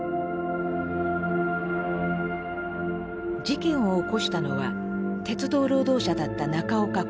事件を起こしたのは鉄道労働者だった中岡艮一。